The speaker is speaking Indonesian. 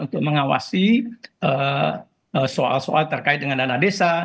untuk mengawasi soal soal terkait dengan dana desa